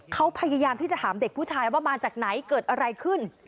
เขาพยายามที่จะถามเด็กผู้ชายว่ามาจากไหนเกิดอะไรขึ้น